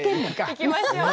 いきましょう。